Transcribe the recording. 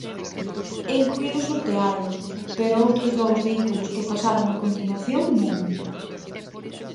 El puido sortealo, pero outros dous vehículos que pasaron a continuación non.